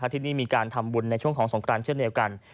ที่นี่มีการทำบุญในช่วงของสงครานเช่นเดียวกัน